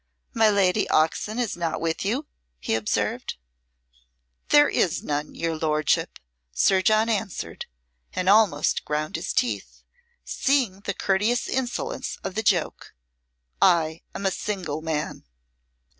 "My Lady Oxon is not with you?" he observed. "There is none, your lordship," Sir John answered, and almost ground his teeth, seeing the courteous insolence of the joke. "I am a single man."